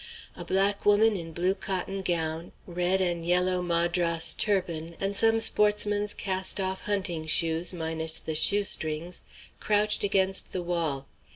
A black woman in blue cotton gown, red and yellow Madras turban, and some sportsman's cast off hunting shoes minus the shoe strings, crouched against the wall.